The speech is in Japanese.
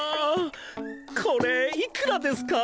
これいくらですか？